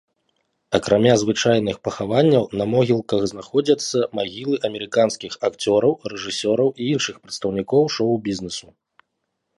Акрамя звычайных пахаванняў на могілках знаходзяцца магілы амерыканскіх акцёраў, рэжысёраў і іншых прадстаўнікоў шоу-бізнесу.